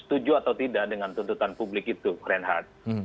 setuju atau tidak dengan tuntutan publik itu reinhardt